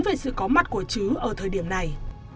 về sự có mặt của chứ ở thời điểm này